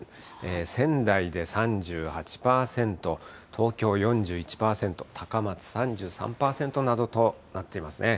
仙台で３８％、東京４１％、高松３３％などとなっていますね。